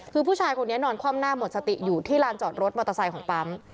คือผู้ชายคนนี้นอนคว่ำหน้าหมดสติอยู่ที่ลานจอดรถมอเตอร์ไซค์ของปั๊ม